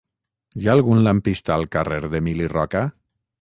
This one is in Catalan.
Hi ha algun lampista al carrer d'Emili Roca?